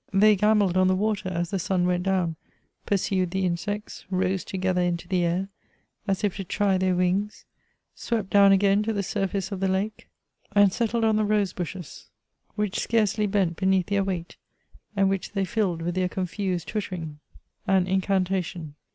They gambolled on the water, as the sun went down, pursued the insects, rose together into the air, as if to try their wings ; swept down again to the surface of the lake, and settled on the rose bushes, which scarcely bent beneath their weight, and which they filled with their confrised twittering. AN INCANTATION.